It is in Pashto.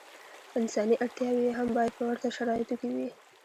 انساني اړتیاوې یې هم باید په ورته شرایطو کې وي.